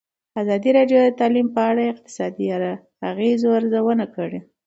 ازادي راډیو د تعلیم په اړه د اقتصادي اغېزو ارزونه کړې.